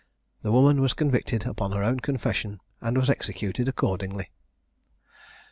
The woman was convicted upon her own confession, and was executed accordingly.